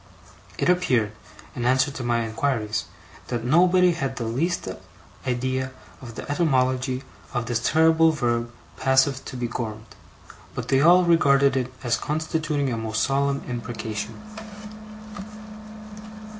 It appeared, in answer to my inquiries, that nobody had the least idea of the etymology of this terrible verb passive to be gormed; but that they all regarded it as constituting a most solemn imprecation.